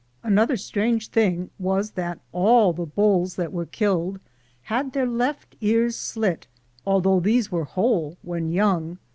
Another strange thing was that all the bulls that were killed had their left ears slit, although these were whole when young.